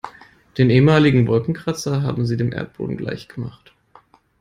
Den ehemaligen Wolkenkratzer haben sie dem Erdboden gleichgemacht.